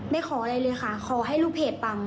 ขออะไรเลยค่ะขอให้ลูกเพจปัง